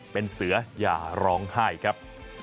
เป็นเสืออย่าร้องไห้ครับ